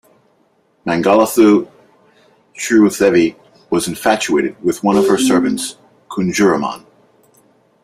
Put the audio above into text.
Mangalathu Chiruthevi was infatuated with one of her servants, Kunjuraman.